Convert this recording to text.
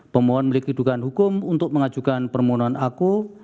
pemohon memiliki dugaan hukum untuk mengajukan permohonan aku